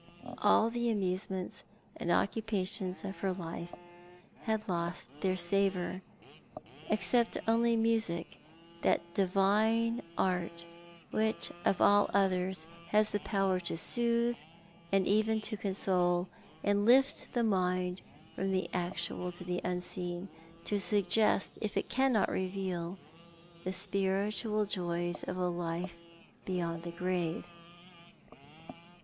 All the amusements and occupations of her life had lost their savour, except only music, j;hat divine art which of all others has the power to soothe, and even to console, to lift the mind from the actual to the unseen, to suggest, if it cannot reveal, the spiritual joys of a life beyond the grave.